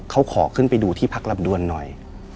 เขาขอขึ้นไปดูที่พักลำดวนหน่อย